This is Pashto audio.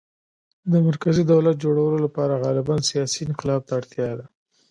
د مرکزي دولت جوړولو لپاره غالباً سیاسي انقلاب ته اړتیا ده